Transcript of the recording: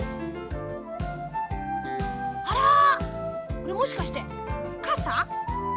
これもしかしてかさ？